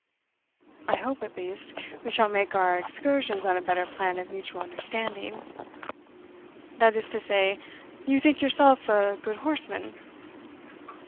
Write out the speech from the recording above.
"I hope, at least, we shall make our excursions on a better plan of mutual understanding." "That is to say, you think yourself a good horseman?"